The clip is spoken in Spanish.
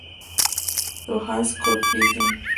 To add Scottie Pippen to the mix, that would be crazy.